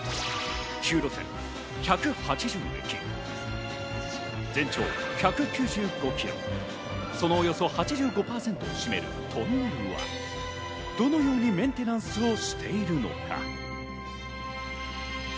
９路線、１８０駅、全長１９５キロ、そのおよそ８５％を占めるトンネルは、どのようにメンテナンスをしているのか？